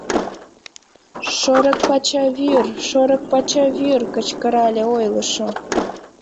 Шорык пача вӱр, шорык пача вӱр! — кычкырале ойлышо.